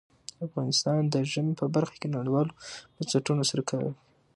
افغانستان د ژمی په برخه کې نړیوالو بنسټونو سره کار کوي.